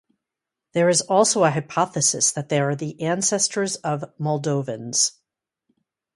There also is a hypothesis that they are the ancestors of Moldavians.